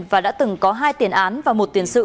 và đã từng có hai tiền án và một tiền sự